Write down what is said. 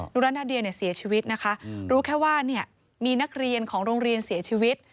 รณาเดียเสียชีวิตนะคะรู้แค่ว่ามีนักเรียนของโรงเรียนเสียชีวิต